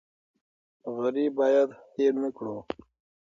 غریب باید هېر نکړو.